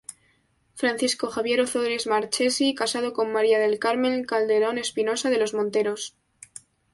Francisco Javier Ozores Marchesi, casado con María del Carmen Calderón Espinosa de los Monteros.